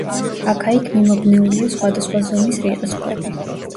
აქა-იქ მიმობნეულია სხვადასხვა ზომის რიყის ქვები.